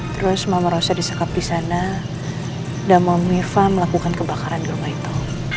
terus mama rosa disekap disana dan om irfan melakukan kebakaran di rumah itu